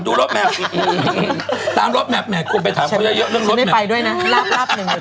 เด็กไทยใส่ใจศึกษาภาชาบังคง